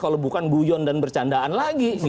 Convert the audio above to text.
kalau bukan guyon dan bercandaan lagi